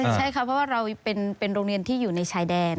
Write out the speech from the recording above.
ใช่ค่ะเพราะว่าเราเป็นโรงเรียนที่อยู่ในชายแดน